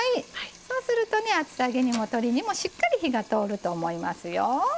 そうすると、厚揚げにも鶏にもしっかり火が通ると思いますよ。